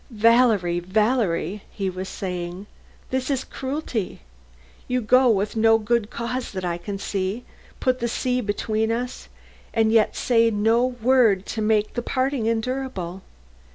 "Valerie, Valerie," he was saying, "this is cruelty. You go with no good cause that I can see put the sea between us, and yet say no word to make the parting endurable.